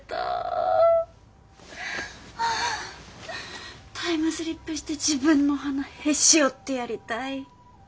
あタイムスリップして自分の鼻へし折ってやりたい。